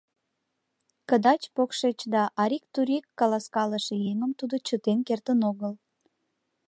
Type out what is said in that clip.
Кыдач-покшеч да арик-турик каласкалыше еҥым тудо чытен кертын огыл.